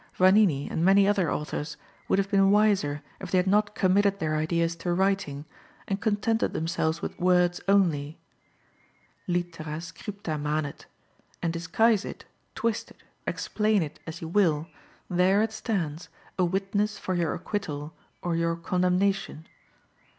Vanini and many other authors would have been wiser if they had not committed their ideas to writing, and contented themselves with words only. Litera scripta manet; and disguise it, twist it, explain it, as you will, there it stands, a witness for your acquittal or your condemnation.